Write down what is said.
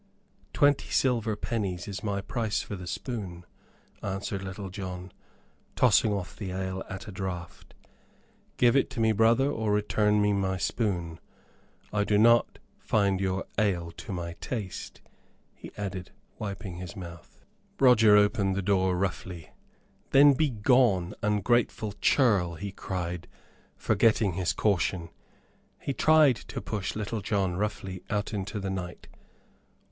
"Twenty silver pennies is my price for the spoon," answered Little John, tossing off the ale at a draught. "Give it to me, brother, or return me my spoon. I do not find your ale to my taste," he added, wiping his mouth. Roger opened the door roughly. "Then begone, ungrateful churl," he cried, forgetting his caution. He tried to push Little John roughly out into the night.